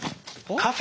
カフェ？